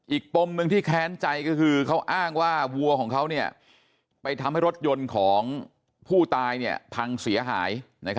ปมหนึ่งที่แค้นใจก็คือเขาอ้างว่าวัวของเขาไปทำให้รถยนต์ของผู้ตายพังเสียหาย